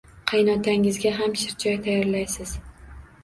Qaynotangizga ham shirchoy tayyorlaysiz